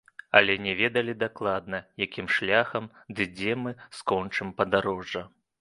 Але не ведалі дакладна, якім шляхам, ды дзе мы скончым падарожжа.